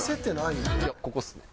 いやここっすね。